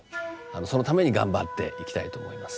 そのために頑張っていきたいと思います。